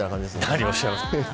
何をおっしゃいますか。